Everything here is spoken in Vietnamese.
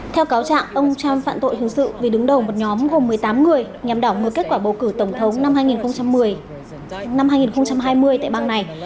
theo cáo trạng ông trump phạm tội hướng sự vì đứng đầu một nhóm gồm một mươi tám người nhằm đảo ngược kết quả bầu cử tổng thống năm hai nghìn hai mươi tại bang này